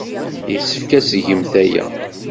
Yessefk ad tgemt aya.